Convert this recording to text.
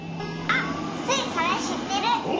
あっスイそれしってる！